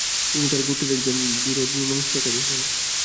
তিনি তার গোত্রের একজন বিরোধ মীমাংসাকারী হন।